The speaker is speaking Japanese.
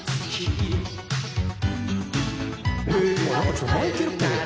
なんかちょっとマイケルっぽいやん。